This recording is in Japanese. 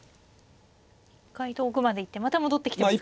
一回遠くまで行ってまた戻ってきてますからね。